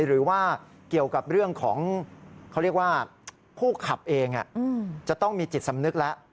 หรือว่าเกี่ยวกับเรื่องของเขาเรียกว่าผู้ขับเองจะต้องมีจิตสำนึกแล้ว